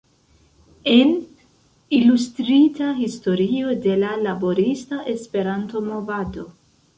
En: Ilustrita historio de la Laborista Esperanto-Movado.